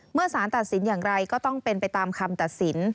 สารตัดสินอย่างไรก็ต้องเป็นไปตามคำตัดสิน